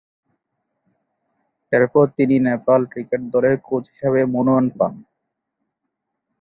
এরপর তিনি নেপাল ক্রিকেট দলের কোচ হিসেবে মনোনয়ন পান।